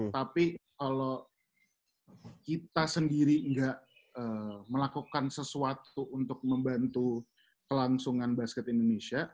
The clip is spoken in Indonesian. tapi kalau kita sendiri nggak melakukan sesuatu untuk membantu kelangsungan basket indonesia